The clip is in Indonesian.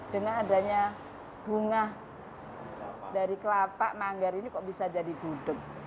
dengan adanya bunga dari kelapa manggar ini kok bisa jadi gudeg